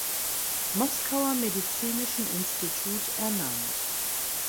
Moskauer Medizinischen Institut ernannt.